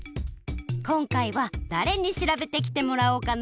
こんかいはだれに調べてきてもらおうかな？